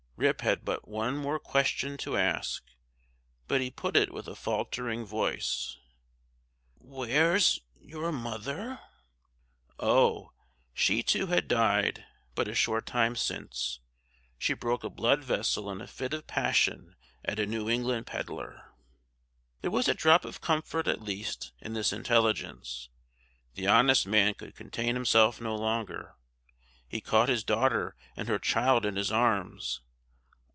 Rip had but one more question to ask; but he put it with a faltering voice: "Where's your mother?" Oh, she too had died but a short time since; she broke a blood vessel in a fit of passion at a New England pedler. There was a drop of comfort, at least, in this intelligence. The honest man could contain himself no longer. He caught his daughter and her child in his arms.